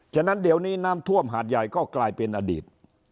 ฉะนั้นเดี๋ยวนี้น้ำท่วมหาดใหญ่ก็กลายเป็นอดีต